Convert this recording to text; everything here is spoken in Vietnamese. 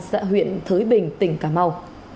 xã huyện thới bình tỉnh cà mau